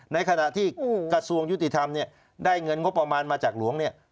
ในขณะที่กระทรวงยุติธรรมเนี่ยได้เงินงบประมาณมาจากหลวงเนี่ย